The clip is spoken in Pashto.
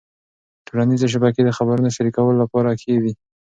ټولنيزې شبکې د خبرونو شریکولو لپاره ښې دي.